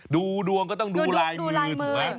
ดูดวงก็ต้องดูลายมือถูกไหม